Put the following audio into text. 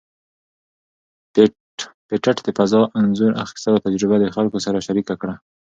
پېټټ د فضا انځور اخیستلو تجربه د خلکو سره شریکه کړه.